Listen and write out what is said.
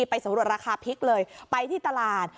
ไปสำรวจราคาพริกเลยไปที่ตลาด